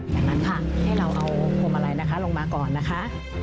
จากนั้นค่ะให้เราเอาพวงมาลัยนะคะลงมาก่อนนะคะ